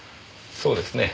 そうですね。